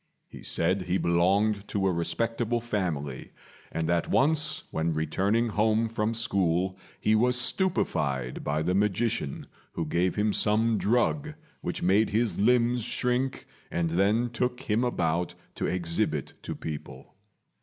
He said he belonged to a respectable family, and that once when returning home from school he was stupified by the magician, who gave him some drug which made his limbs shrink, and then took him about to exhibit to people.